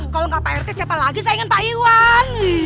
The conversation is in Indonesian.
kalau enggak pak rt siapa lagi sayangin pak iwan